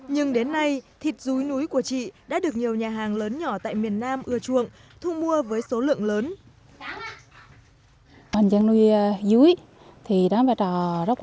nhưng đến nay thịt rúi nuôi của chị đã được nhiều nhà hàng lớn nhỏ